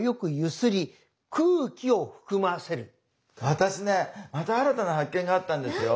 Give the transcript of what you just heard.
私ねまた新たな発見があったんですよ。